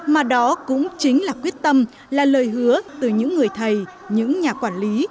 mà đó cũng chính là quyết tâm là lời hứa từ những người thầy những nhà quản lý